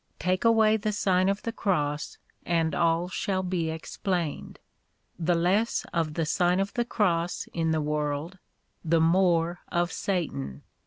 Take away the Sign of the Cross, and all shall be explained. The less of the Sign of the Cross in the world, the more of Satan.